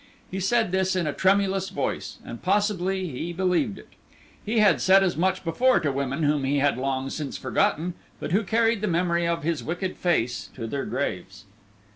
He said this in a tremulous voice, and possibly he believed it. He had said as much before to women whom he had long since forgotten, but who carried the memory of his wicked face to their graves.